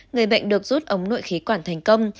người bệnh được rút ống nội khí quản thành công